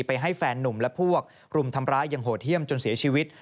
ให้แฟนนุ่มและพวกรุมทำร้ายอย่างโหดเยี่ยมจนเสียชีวิต